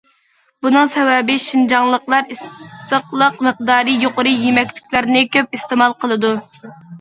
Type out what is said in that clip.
بۇنىڭ سەۋەبى شىنجاڭلىقلار ئىسسىقلىق مىقدارى يۇقىرى يېمەكلىكلەرنى كۆپ ئىستېمال قىلىدۇ.